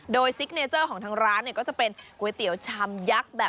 โดยซิกเนเจอร์ของทางร้านเนี่ยก็จะเป็นก๋วยเตี๋ยวชามยักษ์แบบ